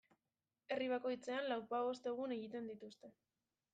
Herri bakoitzean lauzpabost egun egiten dituzte.